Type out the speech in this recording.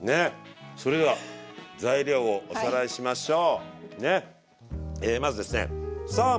それでは材料をおさらいしましょう。